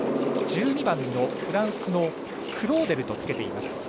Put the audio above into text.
１２番のフランスのクローデルとつけています。